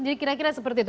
jadi kira kira seperti itu